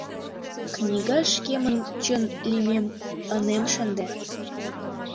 Книгаш шкемын чын лӱмем ынем шынде.